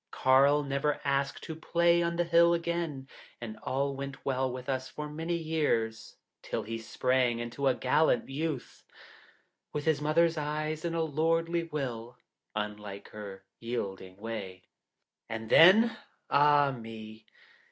Karl never asked to play on the hill again, and all went well with us for many years, till he sprang into a gallant youth, with his mother's eyes and a lordly will, unlike her yielding way. And then? Ah me!